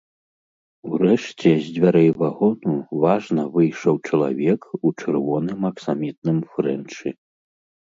Урэшце з дзвярэй вагону важна выйшаў чалавек у чырвоным аксамітным фрэнчы.